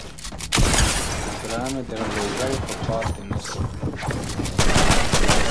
اوگره مې درلېږل ، خو پاته نسوه.